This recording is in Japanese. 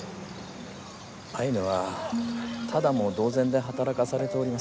アイヌはただも同然で働かされております。